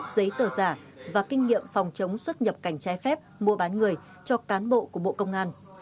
giấy tờ giả và kinh nghiệm phòng chống xuất nhập cảnh trái phép mua bán người cho cán bộ của bộ công an